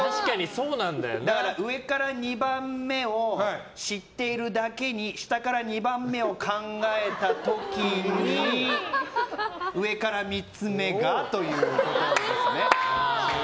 上から２番目を知っているだけに下から２番目を考えた時に上から３つ目がということですね。